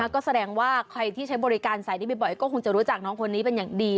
ก็แสดงว่าใครที่ใช้บริการสายนี้บ่อยก็คงจะรู้จักน้องคนนี้เป็นอย่างดี